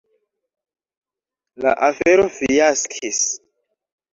La afero fiaskis.